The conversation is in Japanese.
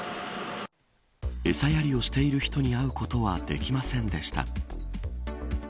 エサやりをしている人に会うことはできませんでした。